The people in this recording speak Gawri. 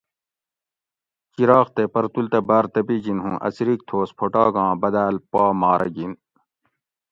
چراغ تے پرتول تہ بار تپیجین ہو ا څریک تھوس پھوٹاگاں بداۤل پا مارہ گین